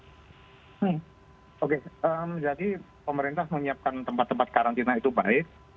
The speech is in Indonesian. hmm oke jadi pemerintah menyiapkan tempat tempat karantina itu baik